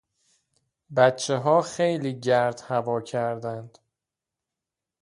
بچهها خیلی گرد هوا کردند.